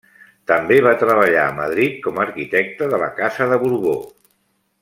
També va treballar a Madrid com a arquitecte de la casa de Borbó.